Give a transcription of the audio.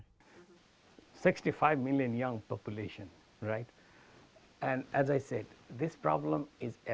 enam puluh lima juta populasi muda dan seperti yang saya katakan masalah ini ada di mana mana